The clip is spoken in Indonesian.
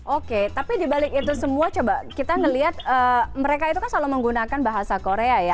oke tapi dibalik itu semua coba kita melihat mereka itu kan selalu menggunakan bahasa korea ya